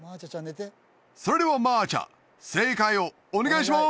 それではマーチャ正解をお願いします